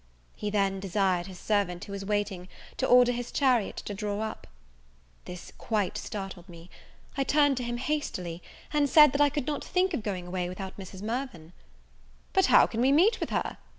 He then desired his servant, who was waiting, to order his chariot to draw up. This quite startled me; I turned to him hastily, and said that I could not think of going away without Mrs. Mirvan. "But how can we meet with her?"